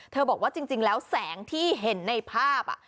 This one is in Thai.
บอกว่าจริงแล้วแสงที่เห็นในภาพ